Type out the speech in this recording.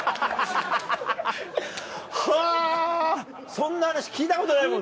そんな話聞いたことないもんね。